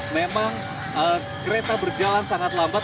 memang kereta berjalan sangat lambat